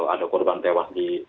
ada korban tewas di